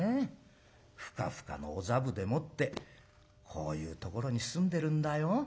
ふかふかのお座布でもってこういうところに住んでるんだよ。